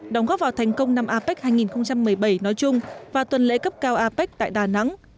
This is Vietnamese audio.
đóng góp vào thành công năm apec hai nghìn một mươi bảy nói chung và tuần lễ cấp cao apec tại đà nẵng